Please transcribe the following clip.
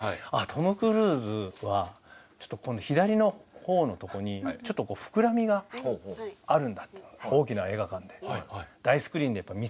トム・クルーズはちょっとこの左のほおのとこにちょっと膨らみがあるんだというのを大きな映画館で大スクリーンで見つけました。